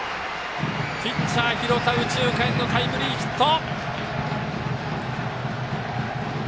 ピッチャー、廣田右中間へのタイムリーヒット！